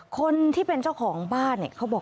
คนที่เป็นเจ้าของบ้านเนี่ยเขาบอก